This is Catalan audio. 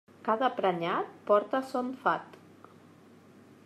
Cada prenyat porta son fat.